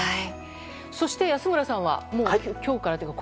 そして安村さんはもう今日からというか